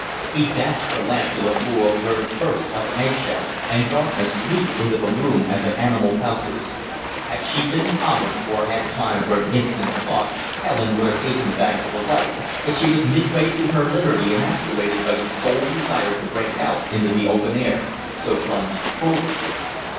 He dashed the lamp to the floor, where it burst like an eggshell, and darkness leaped into the room as an animal pounces. Had she been calmer or had time for an instant's thought Helen would have hastened back to the light, but she was midway to her liberty and actuated by the sole desire to break out into the open air, so plunged forward.